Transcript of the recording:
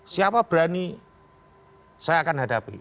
siapa berani saya akan hadapi